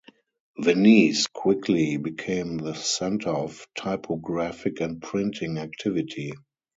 Venice quickly became the center of typographic and printing activity.